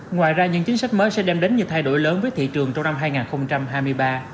ngoài ra những chính sách mới sẽ đem đến những thay đổi lớn với thị trường trong năm hai nghìn hai mươi ba